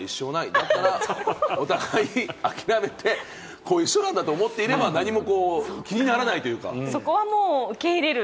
だからお互い諦めて、こういう人なんだと思っていれば、何も気にそこは受け入れる。